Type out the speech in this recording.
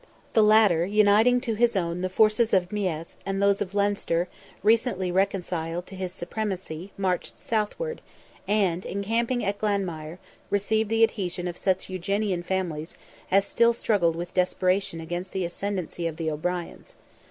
The latter, uniting to his own the forces of Meath, and those of Leinster, recently reconciled to his supremacy, marched southward, and, encamping at Glanmire, received the adhesion of such Eugenian families as still struggled with desperation against the ascendency of the O'Briens.